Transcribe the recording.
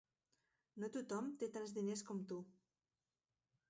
No tothom té tants diners com tu.